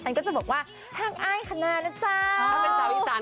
ฉันก็จะบอกว่าทางอายคณนะจ้ะหรือถ้าเป็นสาวอีสาน